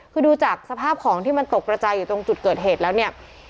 คือดูจากสภาพของที่มันตกกระจายอยู่ตรงจุดเกิดเหตุแล้วเนี่ย